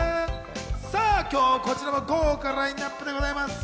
さぁ、今日こちらも豪華なラインナップでございます。